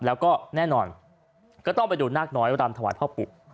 แล้วก็แน่นอนก็ต้องไปดูนาคน้อยรำถวายพ่อปู่